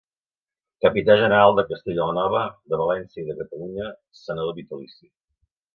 Capità General de Castella la Nova, de València i de Catalunya, Senador vitalici.